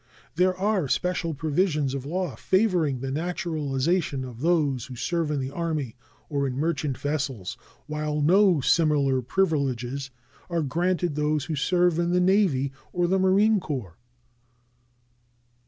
There are special provisions of law favoring the naturalization of those who serve in the Army or in merchant vessels, while no similar privileges are granted those who serve in the Navy or the Marine Corps.